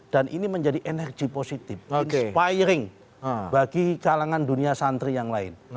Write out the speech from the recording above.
dan ini menjadi energi positif inspiring bagi kalangan dunia santri yang lain